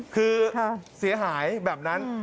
คือเสียหายแบบนั้น